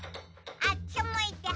あっちむいて。